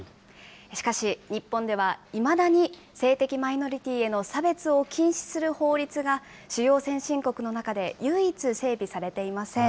しかし、日本ではいまだに性的マイノリティーへの差別を禁止する法律が、主要先進国の中で唯一整備されていません。